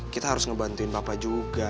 kita harus ngebantuin bapak juga